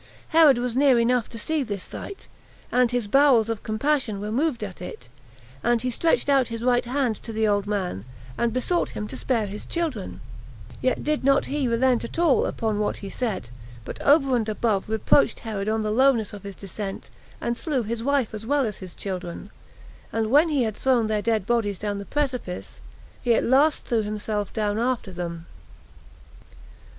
Herod was near enough to see this sight, and his bowels of compassion were moved at it, and he stretched out his right hand to the old man, and besought him to spare his children; yet did not he relent at all upon what he said, but over and above reproached Herod on the lowness of his descent, and slew his wife as well as his children; and when he had thrown their dead bodies down the precipice, he at last threw himself down after them.